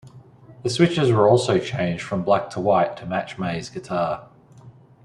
The switches were also changed from black to white to match May's guitar.